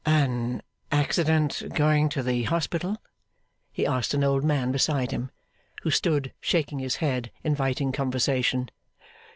'An accident going to the Hospital?' he asked an old man beside him, who stood shaking his head, inviting conversation.